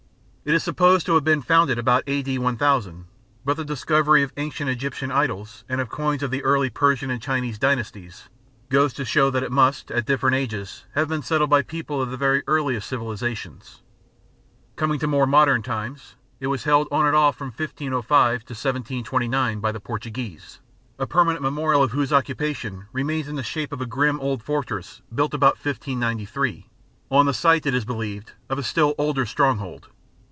It is supposed to have been founded about A.D. 1000, but the discovery of ancient Egyptian idols, and of coins of the early Persian and Chinese dynasties, goes to show that it must at different ages have been settled by people of the very earliest civilisations. Coming to more modern times, it was held on and off from 1505 to 1729 by the Portuguese, a permanent memorial of whose occupation remains in the shape of the grim old fortress, built about 1593 on the site, it is believed, of a still older stronghold.